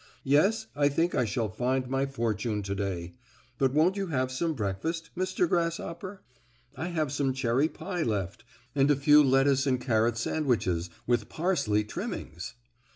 Yes, I think I shall find my fortune to day. But won't you have some breakfast, Mr. Grasshopper? I have some cherry pie left, and a few lettuce and carrot sandwiches with parsley trimmings."